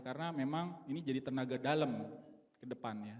karena memang ini jadi tenaga dalem ke depan ya